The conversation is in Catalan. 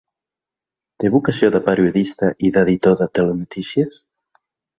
Té vocació de periodista i d’editor de telenotícies?